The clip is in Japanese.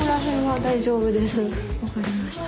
・わかりました。